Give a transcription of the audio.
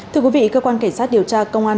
thưa quý vị cơ quan cảnh sát điều tra công an